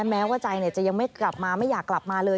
แม้ว่าใจจะยังไม่กลับมาไม่อยากกลับมาเลย